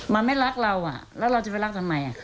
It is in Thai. มันไม่รักเราแล้วเราจะไปรักทำไม